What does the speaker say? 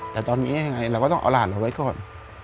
แต่ตอนนี้ยังไงเราก็ต้องเอาหลานเราไว้ก่อน